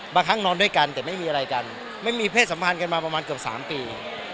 บางครั้งนอนด้วยกันแต่ไม่มีอะไรกันไม่มีเพศสัมพันธ์กันมาประมาณเกือบ๓ปี